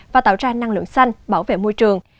và tạo ra năng lượng xanh bảo vệ môi trường